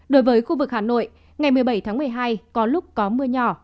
đối với khu vực hà nội ngày một mươi bảy tháng một mươi hai có lúc có mưa nhỏ